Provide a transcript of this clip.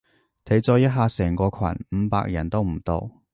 睇咗一下成個群，五百人都唔到